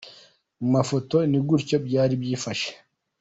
Mu mafoto ni gutya byari byifashe .